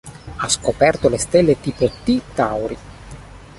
Ha scoperto le stelle tipo T Tauri.